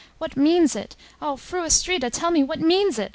"What means it? Oh! Fru Astrida, tell me what means it?